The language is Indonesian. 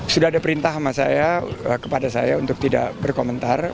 sudah ada perintah sama saya kepada saya untuk tidak berkomentar